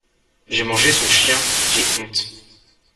J'ai mangé son chien, j'ai honte.